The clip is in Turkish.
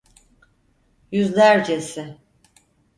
Yüzlercesi.